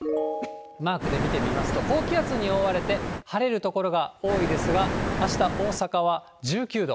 マークで見てみますと、高気圧に覆われて、晴れる所が多いですが、あした大阪は１９度。